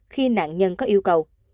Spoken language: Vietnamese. khi nạn nhân có yêu cầu